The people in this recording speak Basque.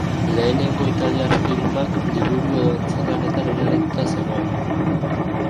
Lehenengo italiar filmak liburu edo antzezlanetan oinarrituta zegoen.